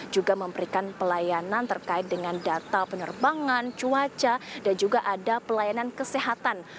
juga memberikan pelayanan terkait dengan data penerbangan cuaca dan juga ada pelayanan kesehatan